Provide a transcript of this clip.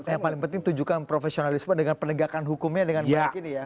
yang paling penting tujukan profesionalisme dengan penegakan hukumnya dengan berhati hati ya